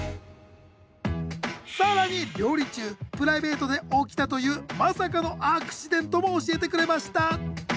更に料理中プライベートで起きたというまさかのアクシデントも教えてくれました